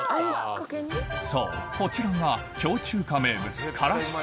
そうこちらが京中華名物